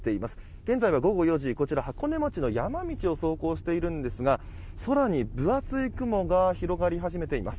現在は午後４時こちら、箱根町の山道を走行しているんですが空に分厚い雲が広がり始めています。